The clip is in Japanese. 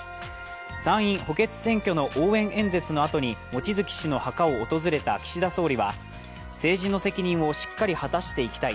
参院補欠選挙の応援演説のあとに望月氏の墓を訪れた岸田総理は政治の責任をしっかり果たしていきたい